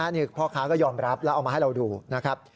นี่พ่อค้าก็ยอมรับแล้วเอามาให้เราดูนะครับ